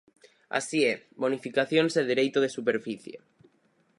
Así é, bonificacións e dereito de superficie.